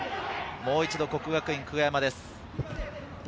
もう一度、國學院久我山です。